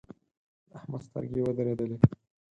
د احمد سترګې ودرېدلې.